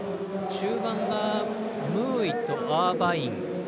中盤はムーイとアーバイン。